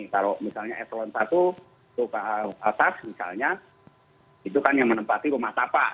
kalau misalnya eselon satu ke atas misalnya itu kan yang menempati rumah tapak